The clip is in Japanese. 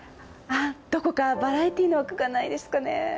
どこかバラエティーの枠がないですかね？